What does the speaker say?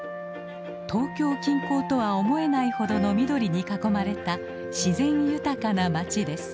東京近郊とは思えないほどの緑に囲まれた自然豊かな町です。